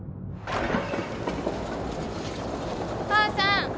お母さん！